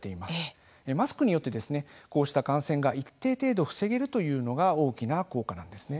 マスクによってこうした感染が一定程度、防げるというのが大きな効果なんです。